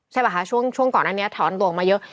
ใช่ป่ะคะช่วงก่อนอันนี้ถอนดวงมาเยอะ